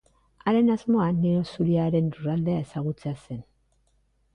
Haren asmoa Nilo Zuriaren lurraldea ezagutzea zen.